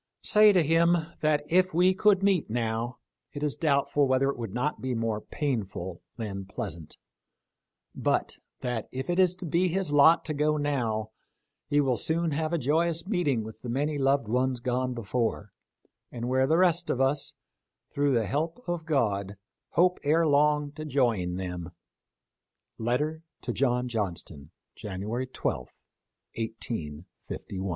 Say to him that if we could meet now it is doubtful whether it would not be more painful than pleasant ; but that if it be his lot to go now he will soon have a joyous meeting with the many loved ones gone before, and where the rest of us, through the help of God, hope ere long to join them." MS. letter to John Johnston, Jan. 12, 1851. ■a 1 ^ 2 f > n o o o a z THE LIFE OF LINCOLN.